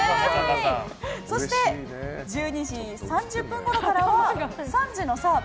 そして、１２時３０分ごろからは３児の澤部！